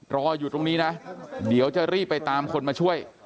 รออยู่ตรงนี้นะเดี๋ยวจะรีบไปตามคนมาช่วย